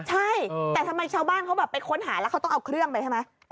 ใช่แต่ทำไมชาวบ้านเขาแบบไปค้นหาแล้วเขาต้องเอาเครื่องไปใช่ไหม